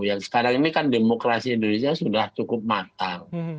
yang sekarang ini kan demokrasi indonesia sudah cukup matang